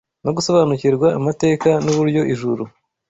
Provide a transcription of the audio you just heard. no gusobanukirwa amateka n’uburyo ijuru